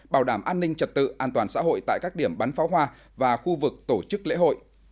bảo đảm an ninh trật tự an toàn xã hội tại các điểm bắn pháo hoa và khu vực tổ chức lễ hội